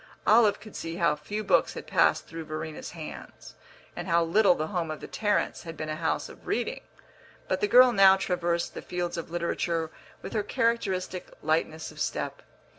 Olive could see how few books had passed through Verena's hands, and how little the home of the Tarrants had been a house of reading; but the girl now traversed the fields of literature with her characteristic lightness of step.